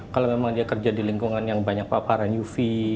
kalau memang dia kerja di lingkungan yang banyak paparan uv